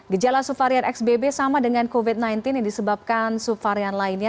gejala subvarian xbb sama dengan covid sembilan belas yang disebabkan subvarian lainnya